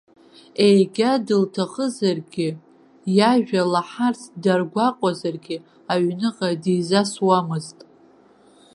Егьа дылҭахызаргьы, иажәа лаҳарц даргәаҟуазаргьы, аҩныҟа дизасуамызт.